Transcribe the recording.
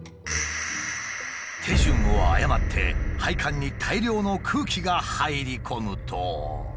手順を誤って配管に大量の空気が入り込むと。